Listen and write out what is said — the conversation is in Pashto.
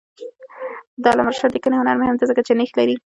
د علامه رشاد لیکنی هنر مهم دی ځکه چې نیښ لري.